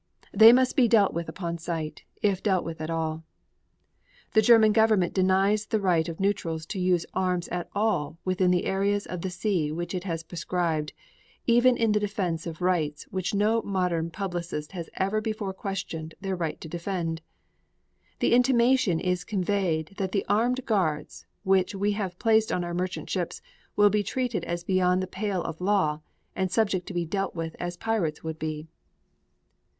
They must be dealt with upon sight, if dealt with at all. The German Government denies the right of neutrals to use arms at all within the areas of the sea which it has proscribed, even in the defense of rights which no modern publicist has ever before questioned their right to defend. The intimation is conveyed that the armed guards which we have placed on our merchant ships will be treated as beyond the pale of law and subject to be dealt with as pirates would be.